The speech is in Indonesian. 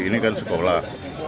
ini kan sekolah